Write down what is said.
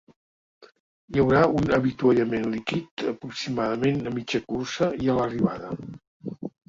Hi haurà un avituallament líquid aproximadament a mitja cursa i a l’arribada.